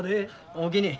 おおきに。